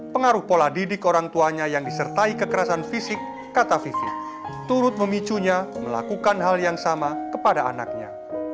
pengaruh pola didik orang tuanya yang disertai kekerasan fisik kata vivi turut memicunya melakukan hal yang sama kepada anaknya